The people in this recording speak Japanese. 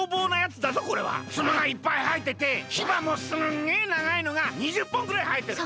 ツノがいっぱいはえててキバもすんげえながいのが２０ぽんぐらいはえてる。